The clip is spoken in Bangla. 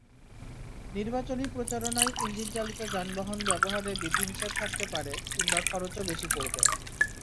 নির্বাচনী প্রচারণায় ইঞ্জিনচালিত যানবাহন ব্যবহারে বিধিনিষেধ থাকতে পারে, কিংবা খরচও বেশি পড়বে।